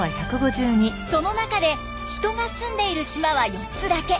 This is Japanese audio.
その中で人が住んでいる島は４つだけ。